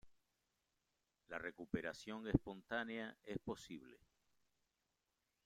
La recuperación espontánea es posible.